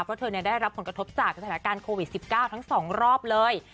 เพราะเธอได้รับผลกระทบจากสถานการณ์โควิด๑๙ทั้ง๒รอบเลย